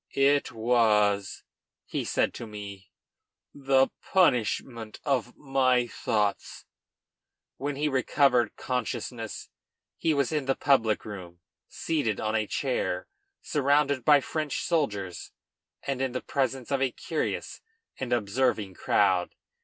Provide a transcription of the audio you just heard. "It was," he said to me, "the punishment of my thoughts." When he recovered consciousness he was in the public room, seated on a chair, surrounded by French soldiers, and in presence of a curious and observing crowd.